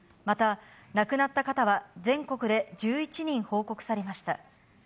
また亡くなった方は全国で１１人報告されました。